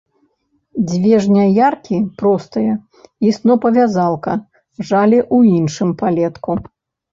Дзве жняяркі, простыя, і снопавязалка жалі ў іншым палетку.